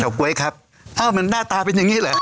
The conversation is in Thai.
ก๊วยครับอ้าวมันหน้าตาเป็นอย่างงี้เหรอ